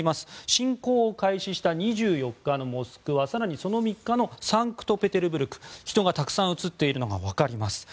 侵攻開始した２４日のモスクワ更に、その３日後のサンクトペテルブルク人がたくさん写っているのが分かります。